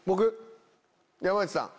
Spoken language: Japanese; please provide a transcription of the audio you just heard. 山内さん！